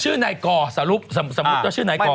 ชื่อไหนก่อสมมุติว่าชื่อไหนก่อ